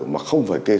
mà không phải kế hoạch